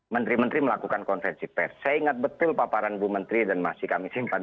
menteri menteri melakukan konvensi pers saya ingat betul paparan bu menteri dan masih kami simpan